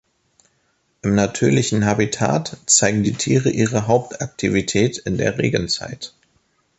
Im natürlichen Habitat zeigen die Tiere ihre Hauptaktivität in der Regenzeit.